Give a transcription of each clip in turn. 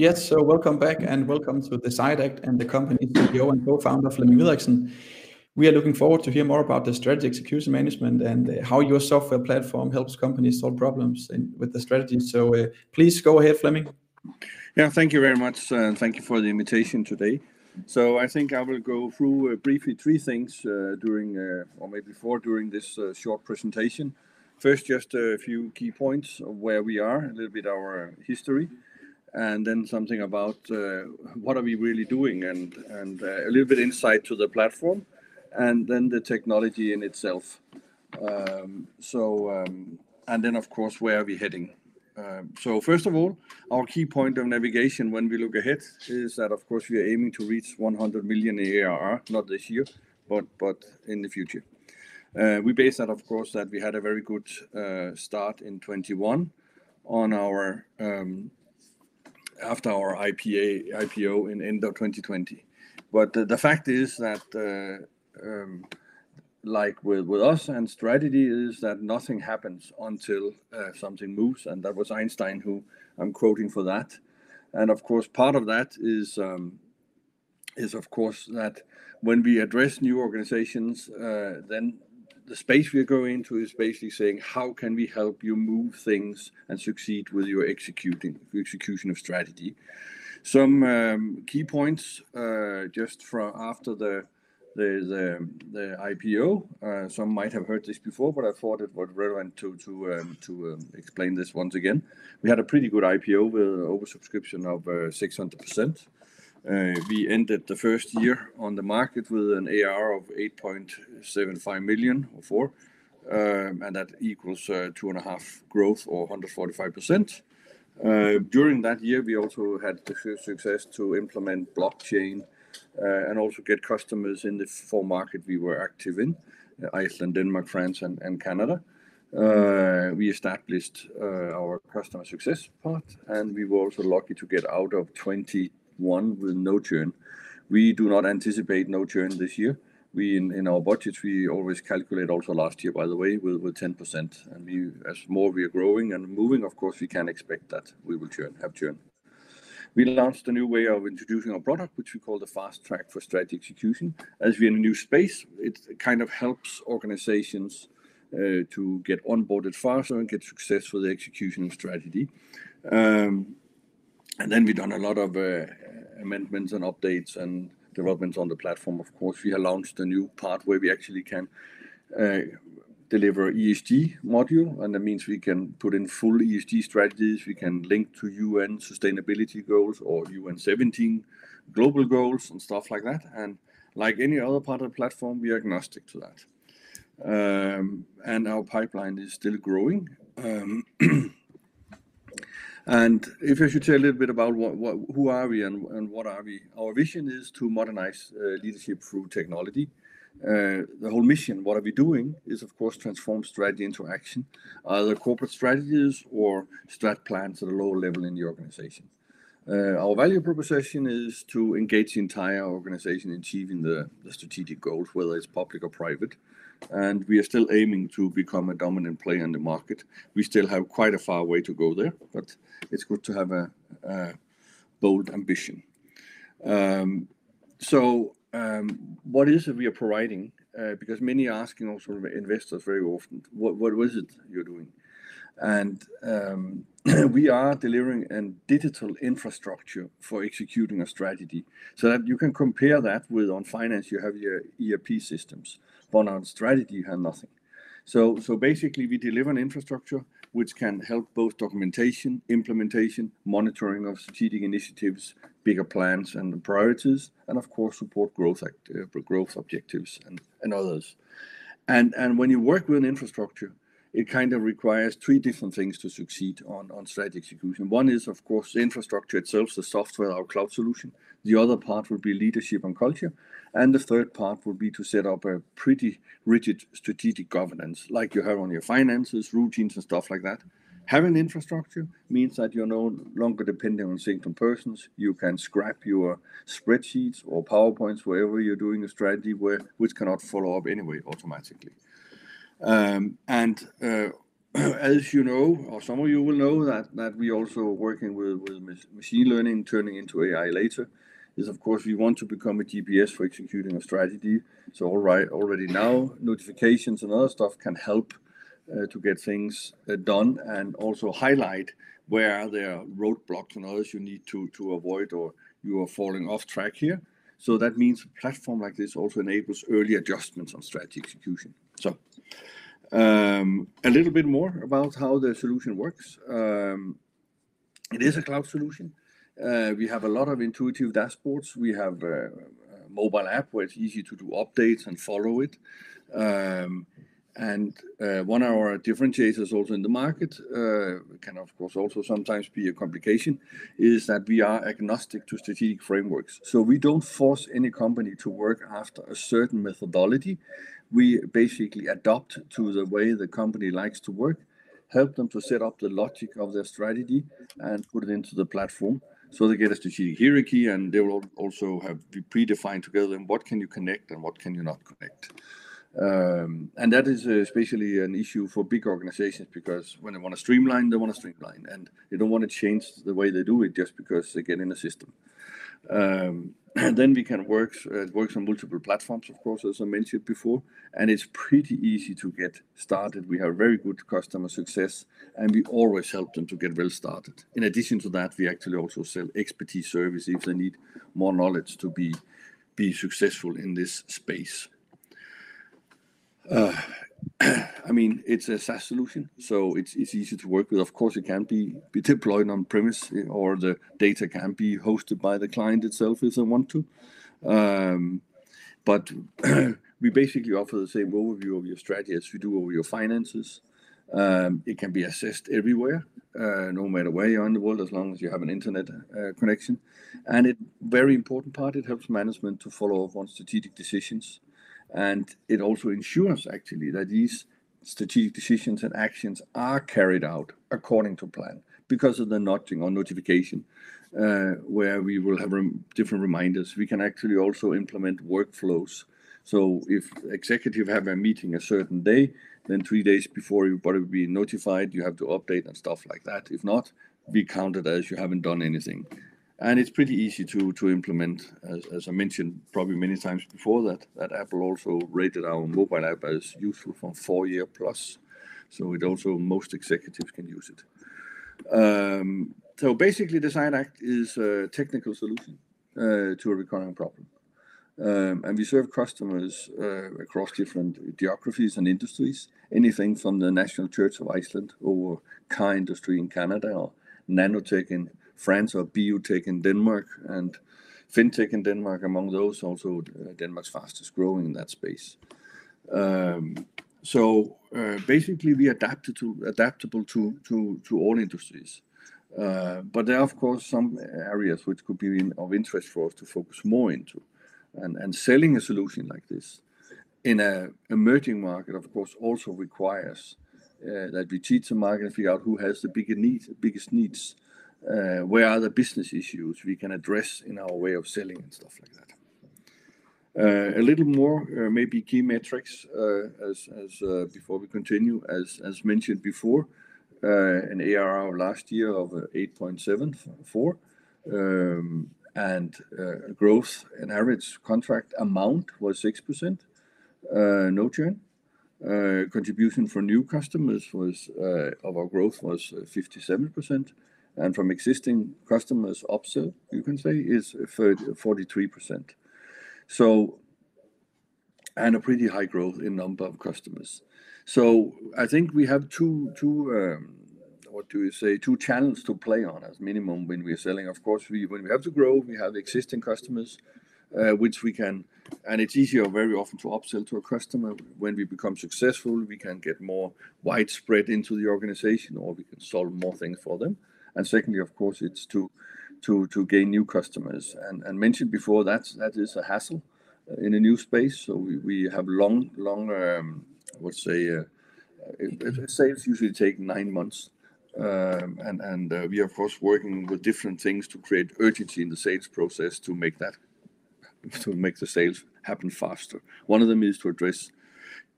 Yes. Welcome back, and welcome to Decide Act and the company CEO and co-founder, Flemming Videriksen. We are looking forward to hear more about the strategy execution management and how your software platform helps companies solve problems in, with the strategy. Please go ahead, Flemming. Yeah. Thank you very much, and thank you for the invitation today. I think I will go through briefly three things during or maybe four during this short presentation. First, just a few key points of where we are, a little bit our history, and then something about what we are really doing and a little bit insight to the platform, and then the technology in itself. Then of course, where are we heading? First of all, our key point of navigation when we look ahead is that, of course, we are aiming to reach 100 million ARR, not this year, but in the future. We base that, of course, that we had a very good start in 2021 after our IPO at the end of 2020. The fact is that like with us and strategy is that nothing happens until something moves, and that was Einstein who I'm quoting for that. Of course, part of that is of course that when we address new organizations, then the space we go into is basically saying, "How can we help you move things and succeed with your execution of strategy?" Some key points just from after the IPO. Some might have heard this before, but I thought it was relevant to explain this once again. We had a pretty good IPO with oversubscription of 600%. We ended the first year on the market with an ARR of 8.75 million and that equals 2.5 growth or 145%. During that year, we also had the first success to implement blockchain and also get customers in the four markets we were active in, Iceland, Denmark, France, and Canada. We established our customer success part, and we were also lucky to get out of 2021 with no churn. We do not anticipate no churn this year. In our budget, we always calculate also last year, by the way, with 10%. The more we are growing and moving, of course, we can expect that we will have churn. We launched a new way of introducing our product, which we call the Fast Track for Strategy Execution. As we're in a new space, it kind of helps organizations to get onboarded faster and get success with the execution of strategy. We've done a lot of amendments and updates and developments on the platform. Of course, we have launched a new part where we actually can deliver ESG module, and that means we can put in full ESG strategies. We can link to UN sustainability goals or UN seventeen global goals and stuff like that. Like any other part of the platform, we are agnostic to that. Our pipeline is still growing. If I should tell a little bit about who are we and what are we. Our vision is to modernize leadership through technology. The whole mission, what are we doing, is of course transform strategy into action, other corporate strategies or strat plans at a lower level in the organization. Our value proposition is to engage the entire organization in achieving the strategic goals, whether it's public or private, and we are still aiming to become a dominant player in the market. We still have quite a far way to go there, but it's good to have a bold ambition. What is it we are providing? Because many are asking, also investors very often, "What is it you're doing?" We are delivering a digital infrastructure for executing a strategy so that you can compare that with on finance, you have your ERP systems, but on strategy, you have nothing. Basically, we deliver an infrastructure which can help both documentation, implementation, monitoring of strategic initiatives, bigger plans and priorities, and of course support growth objectives and others. When you work with an infrastructure, it kind of requires three different things to succeed on strategy execution. One is, of course, the infrastructure itself, the software, our cloud solution. The other part would be leadership and culture. The third part would be to set up a pretty rigid strategic governance like you have on your finances, routines, and stuff like that. Having infrastructure means that you're no longer dependent on single persons. You can scrap your spreadsheets or PowerPoints, wherever you're doing a strategy, which cannot follow up anyway automatically. As you know or some of you will know we're also working with machine learning, turning into AI later. Of course we want to become a GPS for executing a strategy. Already now, notifications and other stuff can help to get things done and also highlight where are there roadblocks and others you need to avoid or you are falling off track here. That means a platform like this also enables early adjustments on strategy execution. A little bit more about how the solution works. It is a cloud solution. We have a lot of intuitive dashboards. We have a mobile app where it's easy to do updates and follow it. One of our differentiators also in the market can of course also sometimes be a complication, is that we are agnostic to strategic frameworks. We don't force any company to work after a certain methodology. We basically adapt to the way the company likes to work, help them to set up the logic of their strategy and put it into the platform. They get a strategic hierarchy, and they will also have pre-defined together what can you connect and what can you not connect. That is especially an issue for big organizations because when they wanna streamline, they don't wanna change the way they do it just because they're getting a system. Works on multiple platforms, of course, as I mentioned before, and it's pretty easy to get started. We have very good customer success, and we always help them to get well started. In addition to that, we actually also sell expertise service if they need more knowledge to be successful in this space. I mean, it's a SaaS solution, so it's easy to work with. Of course, it can be deployed on-premise or the data can be hosted by the client itself if they want to. We basically offer the same overview of your strategy as we do overview of your finances. It can be accessed everywhere, no matter where you are in the world, as long as you have an internet connection. Very important part, it helps management to follow up on strategic decisions, and it also ensures actually that these strategic decisions and actions are carried out according to plan because of the notification, where we will have different reminders. We can actually also implement workflows. If executive have a meeting a certain day, then three days before you probably will be notified you have to update and stuff like that. If not, be counted as you haven't done anything. It's pretty easy to implement. As I mentioned probably many times before that Apple also rated our mobile app 4+, so almost all executives can use it. Basically DecideAct is a technical solution to a recurring problem. We serve customers across different geographies and industries. Anything from the National Church of Iceland or car industry in Canada or nanotech in France or biotech in Denmark and fintech in Denmark among those also, Denmark's fastest growing in that space. Basically, we are adaptable to all industries. There are, of course, some areas which could be of interest for us to focus more into. Selling a solution like this in an emerging market, of course, also requires that we teach the market and figure out who has the biggest needs, where are the business issues we can address in our way of selling and stuff like that. A little more maybe key metrics as before we continue. As mentioned before, an ARR last year of 8.74. Growth in average contract amount was 6%, no churn. Contribution from new customers was 57% of our growth, and from existing customers upsell, you can say, is 43%. A pretty high growth in number of customers. I think we have two, what do you say, two channels to play on at minimum when we are selling. Of course, when we have to grow, we have existing customers. It's easier very often to upsell to a customer. When we become successful, we can get more widespread into the organization, or we can solve more things for them. Secondly, of course, it's to gain new customers. Mentioned before, that is a hassle in a new space. We have long sales usually take nine months. We are of course working with different things to create urgency in the sales process to make the sales happen faster. One of them is to address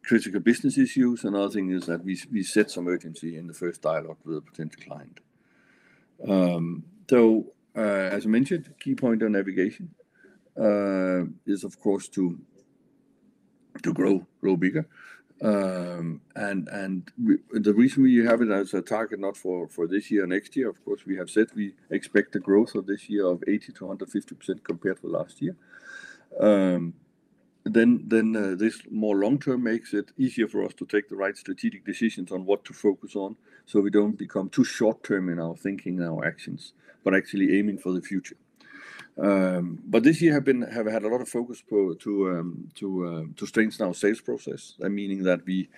critical business issues. Another thing is that we set some urgency in the first dialogue with a potential client. As mentioned, key point on navigation is of course to grow bigger. The reason we have it as a target not for this year, next year, of course, we have said we expect the growth of this year of 80%-150% compared to last year. This more long term makes it easier for us to take the right strategic decisions on what to focus on, so we don't become too short term in our thinking and our actions, but actually aiming for the future. This year have had a lot of focus to strengthen our sales process. That meaning that we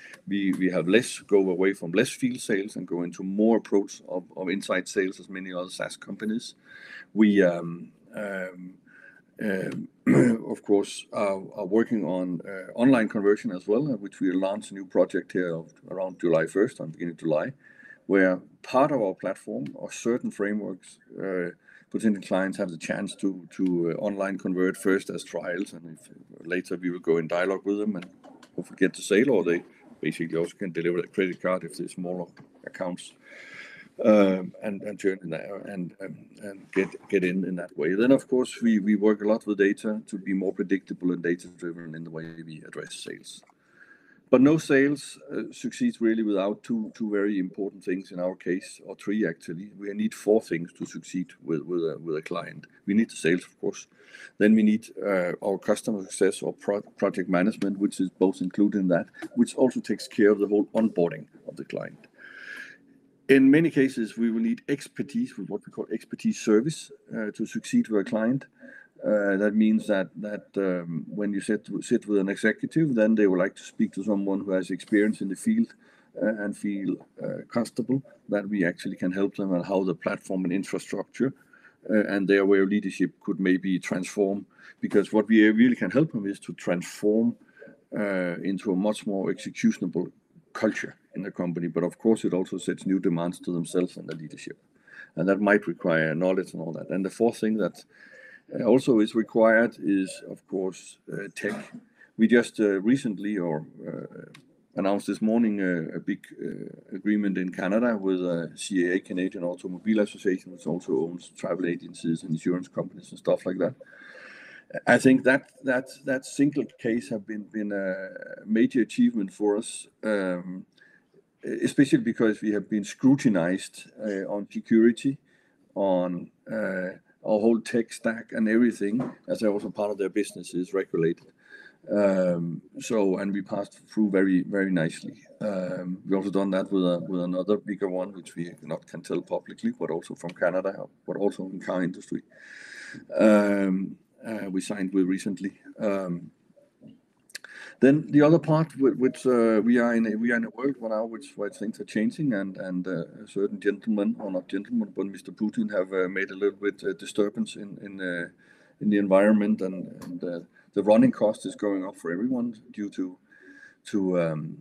go away from field sales and go into more approach of inside sales as many other SaaS companies. We of course are working on online conversion as well, which we launched a new project here of around July 1, beginning of July, where part of our platform or certain frameworks potential clients have the chance to online convert first as trials. If later we will go in dialogue with them and hope we get the sale, or they basically also can deliver a credit card if it's more of accounts, and churn there and get in that way. Of course, we work a lot with data to be more predictable and data-driven in the way we address sales. No sales succeeds really without two very important things in our case, or three actually. We need four things to succeed with a client. We need the sales, of course. We need our customer success or project management, which is both included in that, which also takes care of the whole onboarding of the client. In many cases, we will need expertise with what we call expertise service to succeed with a client. That means that when you sit with an executive, then they would like to speak to someone who has experience in the field and feel comfortable that we actually can help them on how the platform and infrastructure and their way of leadership could maybe transform. Because what we really can help them is to transform into a much more executable culture in the company, but of course it also sets new demands to themselves and the leadership, and that might require knowledge and all that. The fourth thing that also is required is, of course, tech. We just recently announced this morning a big agreement in Canada with CAA, Canadian Automobile Association, which also owns travel agencies, insurance companies, and stuff like that. I think that single case have been a major achievement for us, especially because we have been scrutinized on security, on our whole tech stack and everything, as also part of their business is regulated. We passed through very nicely. We've also done that with another bigger one, which we not can tell publicly, but also from Canada, but also in car industry, we signed with recently. The other part which we are in a world right now where things are changing and a certain gentleman or not gentleman, but Mr. Putin have made a little bit disturbance in the environment and the running cost is going up for everyone due to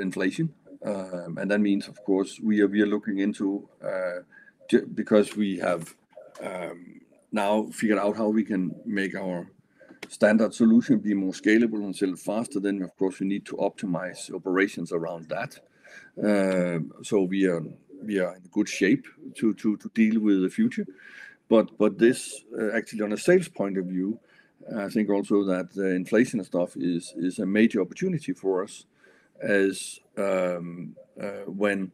inflation. That means, of course, we are looking into because we have now figured out how we can make our standard solution be more scalable and sell faster, then of course we need to optimize operations around that. So we are in good shape to deal with the future. This, actually, on a sales point of view, I think also that the inflation stuff is a major opportunity for us as when,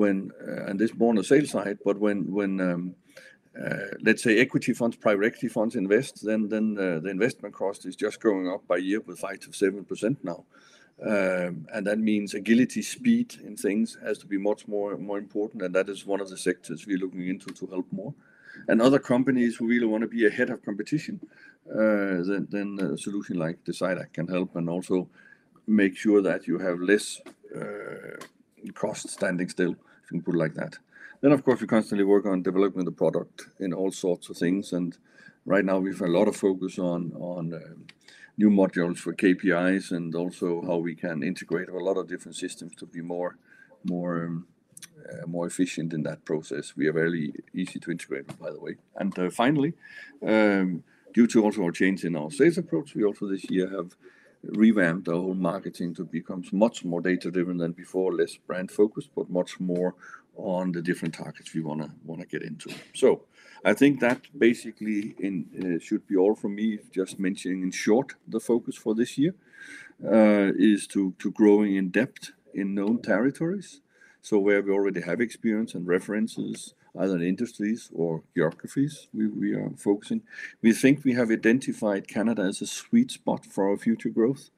and this more on the sales side, but when, let's say equity funds, private equity funds invest, then the investment cost is just going up by year with rate of 7% now. That means agility, speed and things has to be much more important, and that is one of the sectors we're looking into to help more. Other companies who really want to be ahead of competition, then a solution like DecideAct can help and also make sure that you have less cost standing still, if you put it like that. Of course, we constantly work on developing the product in all sorts of things, and right now we have a lot of focus on new modules for KPIs and also how we can integrate a lot of different systems to be more efficient in that process. We are very easy to integrate, by the way. Finally, due to also a change in our sales approach, we also this year have revamped our whole marketing to become much more data-driven than before. Less brand focused, but much more on the different targets we wanna get into. I think that basically should be all for me. Just mentioning in short, the focus for this year is to grow in depth in known territories. Where we already have experience and references, either in industries or geographies, we are focusing. We think we have identified Canada as a sweet spot for our future growth.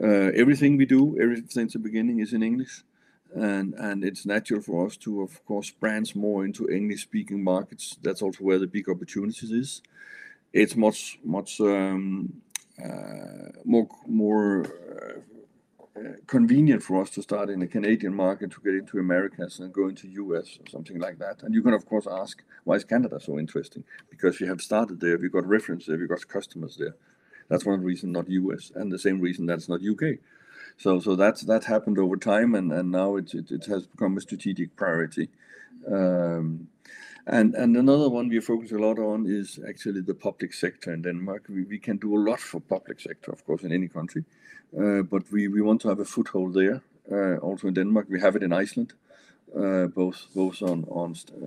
Everything we do, since the beginning is in English and it's natural for us to, of course, branch more into English-speaking markets. That's also where the big opportunities are. It's much more convenient for us to start in the Canadian market to get into Americas than going to U.S. or something like that. You can of course ask, why is Canada so interesting? Because we have started there, we've got reference there, we've got customers there. That's one reason, not U.S., and the same reason that it's not U.K. That happened over time and now it has become a strategic priority. Another one we focus a lot on is actually the public sector in Denmark. We can do a lot for public sector, of course, in any country. But we want to have a foothold there also in Denmark. We have it in Iceland both on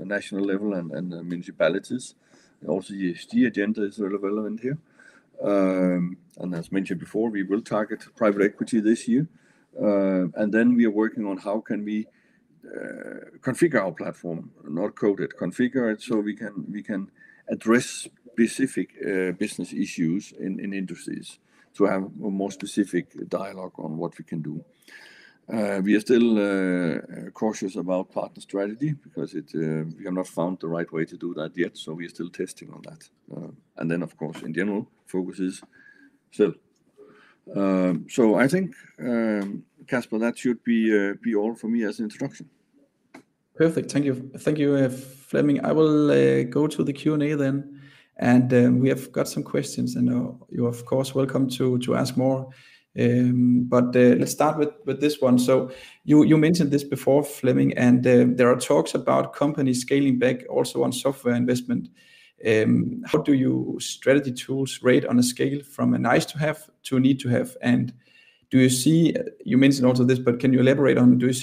national level and municipalities. Also, ESG agenda is relevant here. As mentioned before, we will target private equity this year. We are working on how can we configure our platform, not code it, configure it so we can address specific business issues in industries to have a more specific dialogue on what we can do. We are still cautious about partner strategy because it, we have not found the right way to do that yet, so we are still testing on that. Of course in general focus is sell. I think, Kasper, that should be all for me as introduction. Perfect. Thank you. Thank you, Flemming. I will go to the Q&A then. We have got some questions. I know you are of course welcome to ask more. Let's start with this one. You mentioned this before Flemming, and there are talks about companies scaling back also on software investment. How do your strategy tools rate on a scale from a nice to have to a need to have? Do you see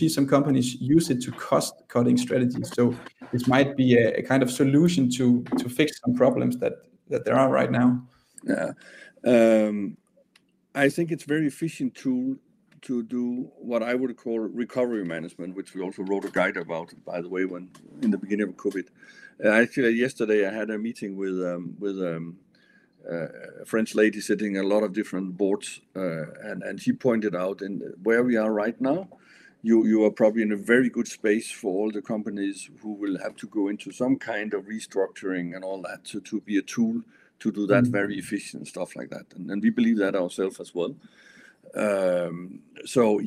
some companies use it to cost-cutting strategies? You mentioned also this, but can you elaborate on it. This might be a kind of solution to fix some problems that there are right now. Yeah. I think it's very efficient tool to do what I would call recovery management, which we also wrote a guide about, by the way, when in the beginning of COVID. Actually yesterday I had a meeting with a French lady sitting in a lot of different boards. She pointed out where we are right now. You are probably in a very good space for all the companies who will have to go into some kind of restructuring and all that. To be a tool to do that very efficient, stuff like that. We believe that ourselves as well.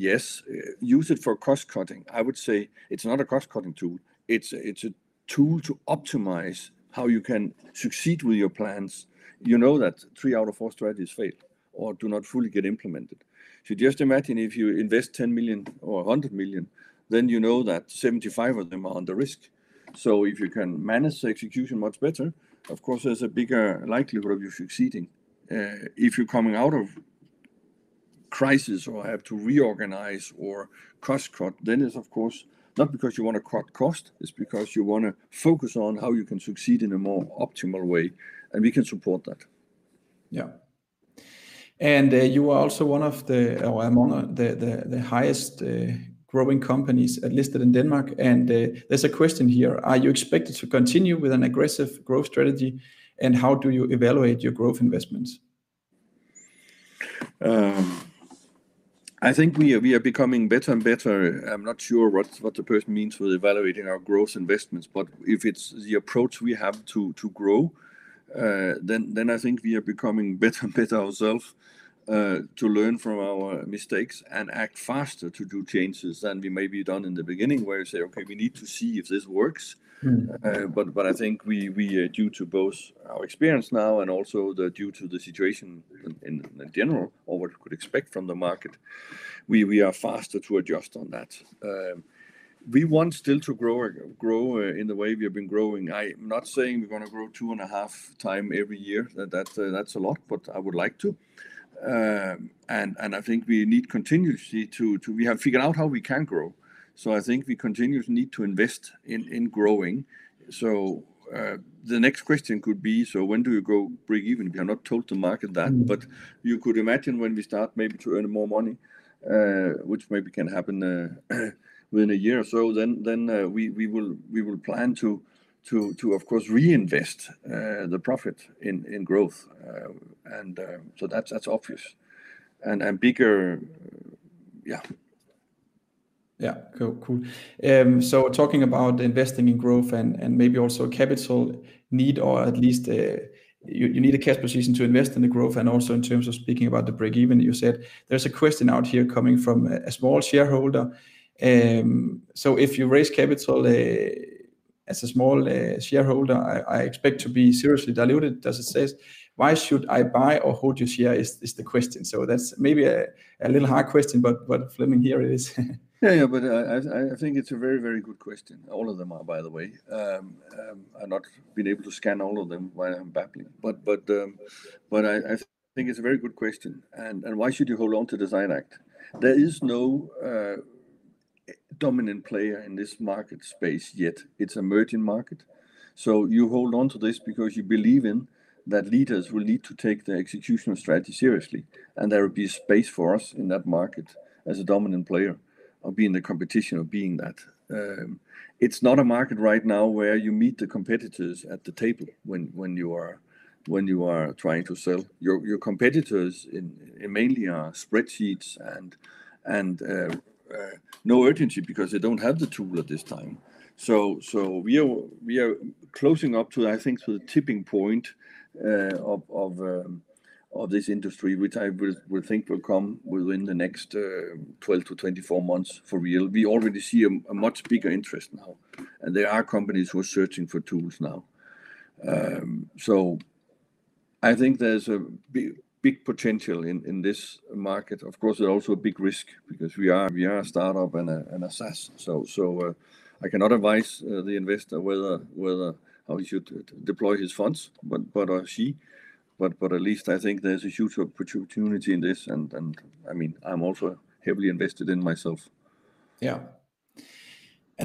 Yes, use it for cost cutting. I would say it's not a cost cutting tool. It's a tool to optimize how you can succeed with your plans. You know that three out of four strategies fail or do not fully get implemented. If you just imagine if you invest 10 million or 100 million, then you know that 75% of them are under risk. If you can manage the execution much better, of course there's a bigger likelihood of you succeeding. If you're coming out of crisis or have to reorganize or cost cut, it's of course not because you wanna cut cost, it's because you wanna focus on how you can succeed in a more optimal way, and we can support that. Yeah. You are also one of the or among the highest growing companies listed in Denmark, and there's a question here: Are you expected to continue with an aggressive growth strategy, and how do you evaluate your growth investments? I think we are becoming better and better. I'm not sure what the person means with evaluating our growth investments, but if it's the approach we have to grow, then I think we are becoming better and better ourselves to learn from our mistakes and act faster to do changes than we maybe done in the beginning where you say, "Okay, we need to see if this works. Mm. I think we due to both our experience now and also due to the situation in general or what we could expect from the market are faster to adjust on that. We want still to grow in the way we have been growing. I'm not saying we're gonna grow 2.5 times every year. That's a lot, but I would like to. I think we need continuously. We have figured out how we can grow, so I think we continuously need to invest in growing. The next question could be, so when do we go break even? We have not told the market that. Mm. You could imagine when we start maybe to earn more money, which maybe can happen within a year or so, then we will plan to of course reinvest the profit in growth. That's obvious. Yeah. Cool. Talking about investing in growth and maybe also capital need or at least you need a cash position to invest in the growth and also in terms of speaking about the breakeven you said, there's a question out here coming from a small shareholder. If you raise capital as a small shareholder, I expect to be seriously diluted, as it says. Why should I buy or hold your share? That's the question. That's maybe a little hard question, but Flemming, here it is. Yeah, yeah. I think it's a very, very good question. All of them are, by the way. I've not been able to scan all of them while I'm babbling. I think it's a very good question. Why should you hold on to DecideAct? There is no dominant player in this market space yet. It's emerging market. You hold on to this because you believe in that leaders will need to take the executional strategy seriously, and there will be space for us in that market as a dominant player or be in the competition of being that. It's not a market right now where you meet the competitors at the table when you are trying to sell. Your competitors in mainly are spreadsheets and no urgency because they don't have the tool at this time. We are closing up to, I think, to the tipping point of this industry we think will come within the next 12-24 months for real. We already see a much bigger interest now, and there are companies who are searching for tools now. I think there's a big potential in this market. Of course, there are also a big risk because we are a startup and a SaaS. I cannot advise the investor whether how he should deploy his funds, but she. at least I think there's a huge opportunity in this and I mean, I'm also heavily invested in myself. Yeah.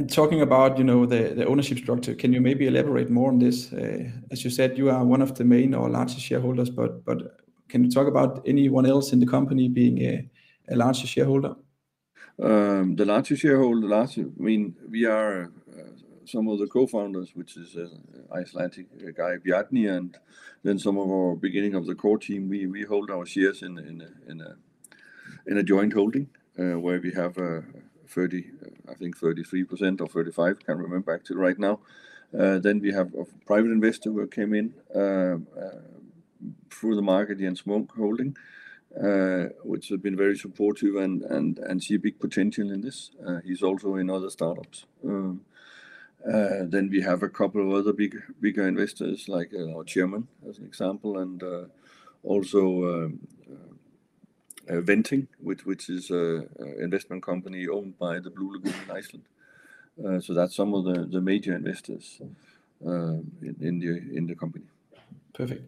Talking about, you know, the ownership structure, can you maybe elaborate more on this? As you said, you are one of the main or largest shareholders, but can you talk about anyone else in the company being a larger shareholder? The larger shareholder, I mean, we are some of the co-founders, which is an Icelandic guy, Bjarni, and then some of our beginning of the core team, we hold our shares in a joint holding, where we have, I think 33% or 35%. Can't remember actually right now. We have a private investor who came in through the market, Jens-Chr. Møller Holding ApS, which have been very supportive and see a big potential in this. He's also in other startups. We have a couple of other bigger investors like our chairman as an example, and also Blávarmi slhf., which is an investment company owned by the Blue Lagoon hf in Iceland. That's some of the major investors in the company. Perfect.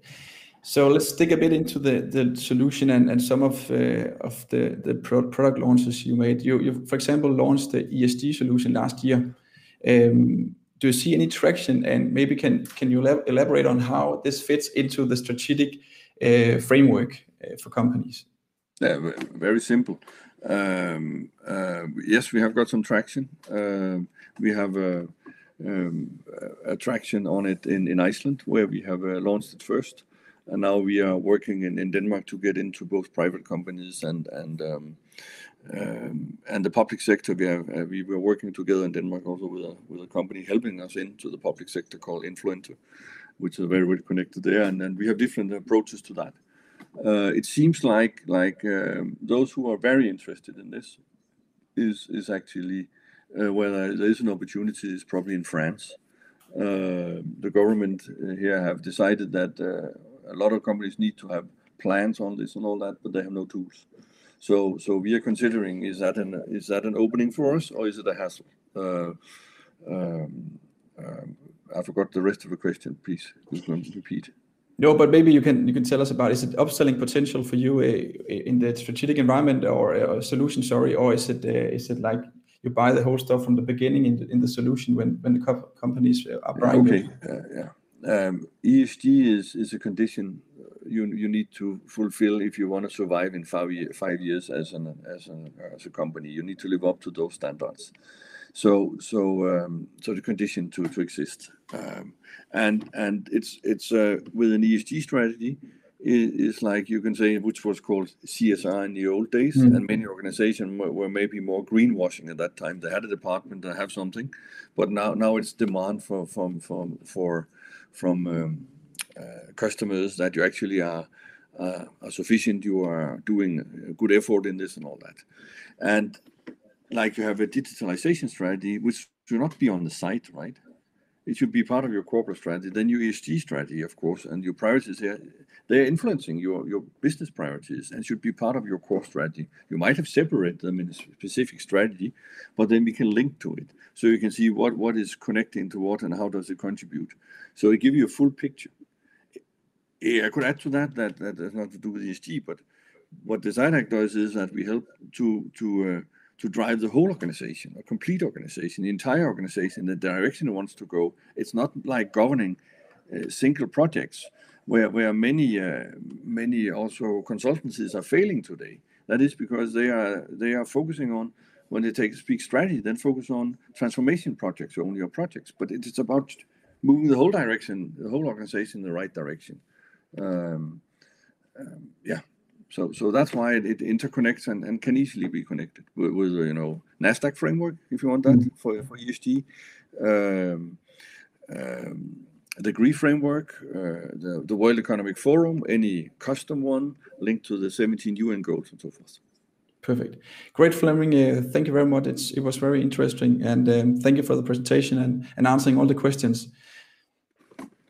Let's dig a bit into the solution and some of the product launches you made. You for example launched the ESG solution last year. Do you see any traction, and maybe can you elaborate on how this fits into the strategic framework for companies? Yeah. Very simple. Yes, we have got some traction. We have traction on it in Iceland where we have launched it first, and now we are working in Denmark to get into both private companies and the public sector. We were working together in Denmark also with a company helping us into the public sector called Influenter, which are very well connected there, and then we have different approaches to that. It seems like those who are very interested in this is actually where there is an opportunity is probably in France. The government here have decided that a lot of companies need to have plans on this and all that, but they have no tools. We are considering, is that an opening for us or is it a hassle? I forgot the rest of the question, please. Repeat. No, but maybe you can tell us about is it upselling potential for you in the strategic environment or a solution? Sorry. Or is it like you buy the whole stuff from the beginning in the solution when the companies are buying? Okay. ESG is a condition you need to fulfill if you wanna survive in five years as a company. You need to live up to those standards. The condition to exist with an ESG strategy is like you can say which was called CSR in the old days. Mm-hmm. Many organizations were maybe more greenwashing at that time. They had a department, they have something, but now it's demand from customers that you actually are sufficient, you are doing a good effort in this and all that. Like you have a digitalization strategy which should not be on the site, right? It should be part of your corporate strategy, then your ESG strategy of course, and your priorities they're influencing your business priorities and should be part of your core strategy. You might have separate them in a specific strategy, but then we can link to it so you can see what is connecting to what and how does it contribute. It give you a full picture. I could add to that has nothing to do with ESG, but what Decide Act does is that we help to drive the whole organization, a complete organization, the entire organization, the direction it wants to go. It's not like governing single projects where many also consultancies are failing today. That is because they are focusing on when they take a big strategy, then focus on transformation projects or only your projects. It is about moving the whole direction, the whole organization in the right direction. That's why it interconnects and can easily be connected with, you know, SASB framework if you want that. Mm-hmm. For ESG. The GRI framework, the World Economic Forum, any custom one linked to the 17 UN goals and so forth. Perfect. Great, Flemming. Thank you very much. It was very interesting and thank you for the presentation and answering all the questions.